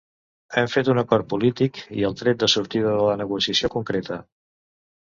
“Hem fet un acord polític i el tret de sortida de la negociació concreta”.